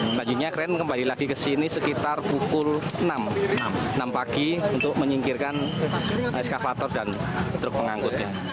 selanjutnya kren kembali lagi ke sini sekitar pukul enam enam pagi untuk menyingkirkan eskavator dan truk pengangkutnya